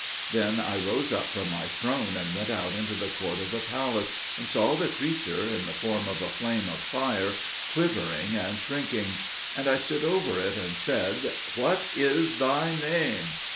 Then I rose up from my throne and went out into the court of the palace, and saw the creature, in the form of a flame of fire, quivering and shrinking; and I stood over it, and said, "What is thy name?"